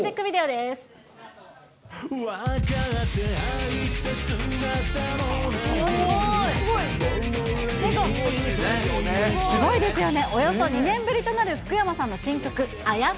すごいですよね、およそ２年ぶりとなる福山さんの新曲、妖。